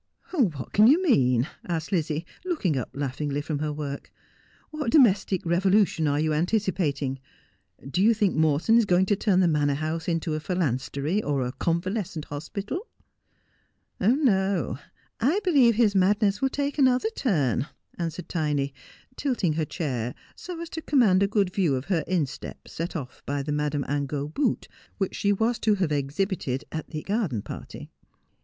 ' What can yon mean 1 ' asked Lizzie, looking up laughingly from her work. ' What domestic revolution are you anticipat ing 1 Do you think Morton is going to turn the Manor House into a phalanstery or a convalescent hospital 1 '' No ; I believe his madness will take another turn,' answered Tiny, tilting her chair so as to command a good view of her instep, set off by the Madame Angot boot which she was to have exhibited at the garden party.